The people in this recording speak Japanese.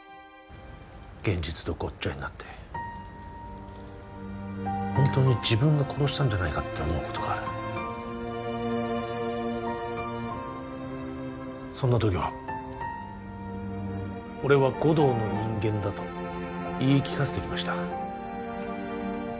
現実とごっちゃになってホントに自分が殺したんじゃないかって思うことがあるそんな時は俺は護道の人間だと言い聞かせてきました